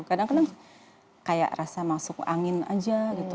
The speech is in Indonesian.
kadang kadang kayak rasa masuk angin aja gitu